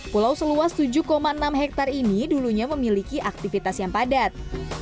pulau seluas tujuh enam hektare ini dulunya memiliki aktivitas yang padat